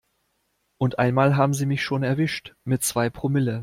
Und einmal haben sie mich schon erwischt mit zwei Promille.